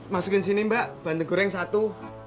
masukin sini mbak bandeng goreng satu